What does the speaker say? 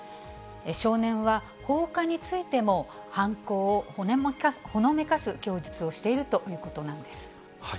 少年は放火についても犯行をほのめかす供述をしているということなんです。